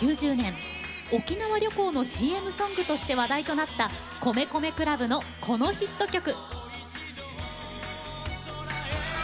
沖縄旅行のＣＭソングとして話題となった米米ＣＬＵＢのこのヒット曲。